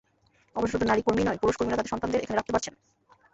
অবশ্য শুধু নারী কর্মীই নন, পুরুষ কর্মীরা তাঁদের সন্তানদের এখানে রাখতে পারছেন।